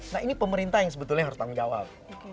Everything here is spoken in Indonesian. nah ini pemerintah yang sebetulnya harus tanggung jawab